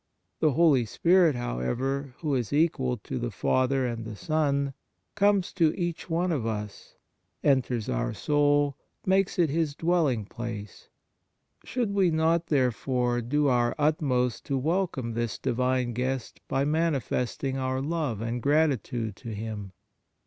The Holy Spirit, however, who is equal to the Father and the Son, comes to each one of us, enters our soul, makes it His dwelling place: should we not, therefore, do our utmost to welcome this Divine Guest by mani festing our love and gratitude to Him